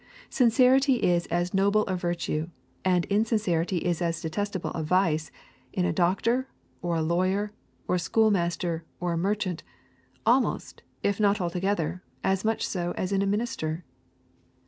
Sincerity is as noble a virtue, and insincerity is as detestable a vice, in a doctor, or a lawyer, or a schoolmaster, or a merchant, almost, if not altogether, as much so as in a minister.